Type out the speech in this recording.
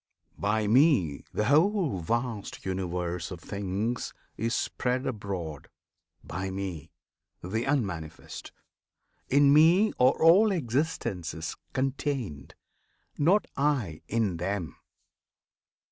By Me the whole vast Universe of things Is spread abroad; by Me, the Unmanifest! In Me are all existences contained; Not I in them!